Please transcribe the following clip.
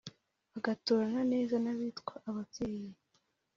agaturana nezan'abitwa ababyeyi